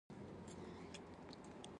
په ځير يې راکتل.